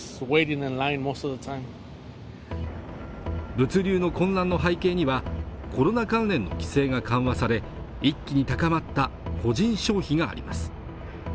物流の混乱の背景にはコロナ関連の規制が緩和され一気に高まった個人消費があります